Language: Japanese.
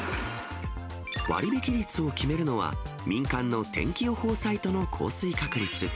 割引率を決めるのは、民間の天気予報サイトの降水確率。